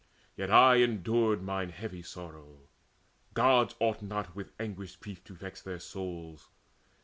Yet I endured mine heavy sorrow: Gods Ought not with anguished grief to vex their souls.